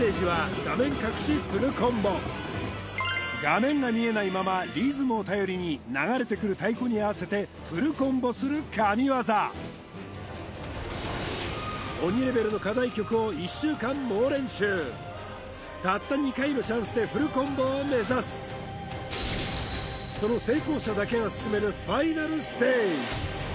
画面が見えないままリズムを頼りに流れてくる太鼓に合わせてフルコンボする神業おにレベルの課題曲を１週間猛練習たった２回のチャンスでフルコンボを目指すその成功者だけが進めるファイナルステージ